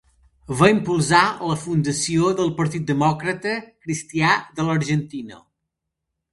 Va impulsar la fundació del Partit Demòcrata Cristià de l'Argentina.